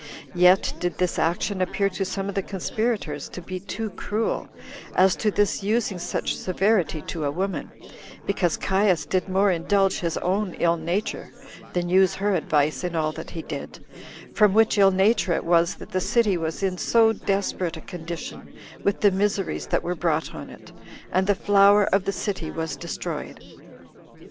Yet did this action appear to some of the conspirators to be too cruel, as to this using such severity to a woman, because Caius did more indulge his own ill nature than use her advice in all that he did; from which ill nature it was that the city was in so desperate a condition with the miseries that were brought on it, and the flower of the city was destroyed.